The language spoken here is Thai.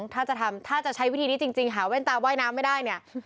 ถ้าจะทำถ้าจะใช้วิธีนี้จริงหาแว่นตาว่ายน้ำไม่ได้เนี่ย